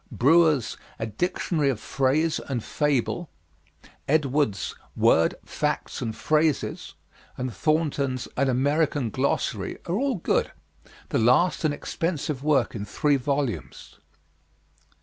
Brewer's "A Dictionary of Phrase, and Fable," Edwards' "Words, Facts, and Phrases," and Thornton's "An American Glossary," are all good the last, an expensive work in three volumes.